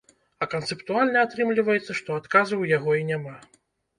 А канцэптуальна атрымліваецца, што адказу ў яго і няма.